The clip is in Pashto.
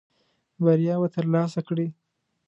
بریا به ترلاسه کړې .